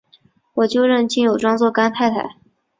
我就认金友庄做干太太！